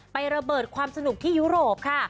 ระเบิดความสนุกที่ยุโรปค่ะ